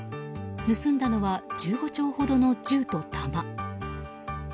盗んだのは１５丁ほどの銃と弾。